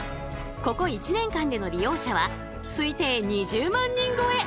ここ１年間での利用者は推定２０万人超え。